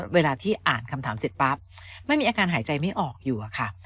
เวลาที่อ่านคำถามเสร็จปั๊บมันมีอาการหายใจไม่ออกอยู่อะค่ะ